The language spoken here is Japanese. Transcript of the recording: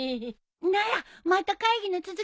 ならまた会議の続きやろうよ。